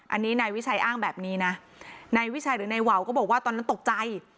อันนี้นายวิชัยอ้างแบบนี้นะนายวิชัยหรือนายวาวก็บอกว่าตอนนั้นตกใจ